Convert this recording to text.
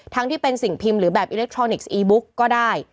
ที่เป็นสิ่งพิมพ์หรือแบบอิเล็กทรอนิกส์อีบุ๊กก็ได้